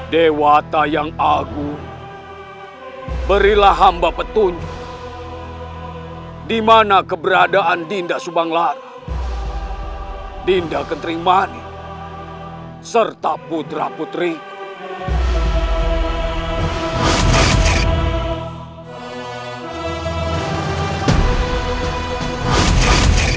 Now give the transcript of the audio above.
dewa tayang agung berilah hamba petunjuk di mana keberadaan dinda subang lara dinda kentrimani serta putra putrinya